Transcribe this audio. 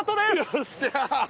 よっしゃ！